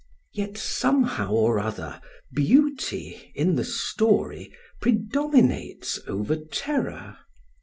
Yet, somehow or other, beauty in the story predominates over terror.